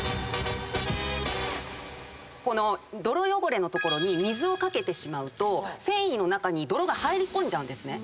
この泥汚れの所に水を掛けてしまうと繊維の中に泥が入り込んじゃう。